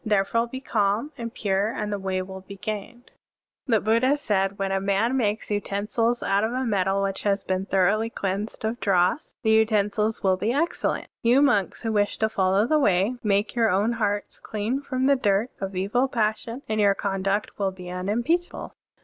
Therefore, be calm and pure, and the Way will be gained." (35) The Buddha said: "When a man makes utensils out of a metal which has been thor oughly cleansed of dross, the utensils will be excellent. You monks, who wish to follow the Way, make your own hearts clean from the dirt of evil passion, and your conduct will be unim peachable."